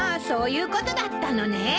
そういうことだったのね。